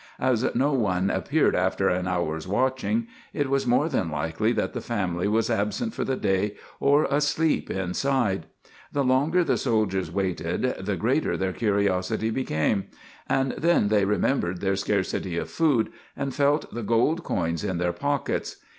As no one appeared after an hour's watching, it was more than likely that the family was absent for the day or asleep inside. The longer the soldiers waited, the greater their curiosity became, and then they remembered their scarcity of food, and felt the gold coins in their pockets.